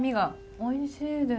おいしいです。